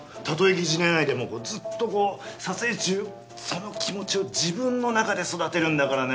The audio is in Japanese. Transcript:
疑似恋愛でもこうずっとこう撮影中その気持ちを自分の中で育てるんだからね。